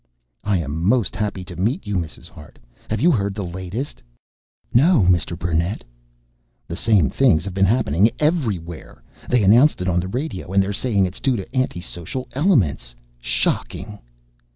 "I am most happy to meet you, Mrs. Hart. Have you heard the latest?" "No, Mr. Burnett." "The same things have been happening everywhere! They announced it on the radio and they're saying it's due to anti social elements. Shocking!"